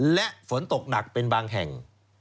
และฝนตกหนักเป็นบางแห่ง